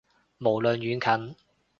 無論遠近